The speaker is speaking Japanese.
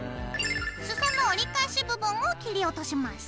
裾の折り返し部分を切り落とします。